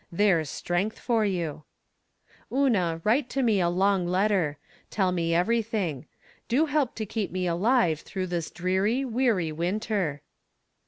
There's strength for you ! Una, write to me a long letter. Tell me every thing. Do help to keep me alive through this dreary, weary winter.